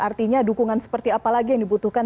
artinya dukungan seperti apa lagi yang dibutuhkan